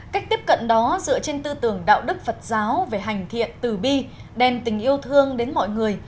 cách tiếp cận đó dựa trên tư tưởng đạo đức phật giáo về hành thiện tử bi đem tình yêu thương đến mọi người